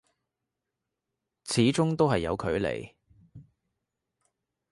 始終都係有差距